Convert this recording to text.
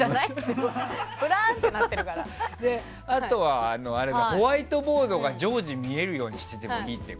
あとは、ホワイトボードが常時見えるようにしていていいって。